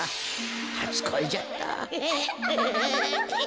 はつこいじゃった。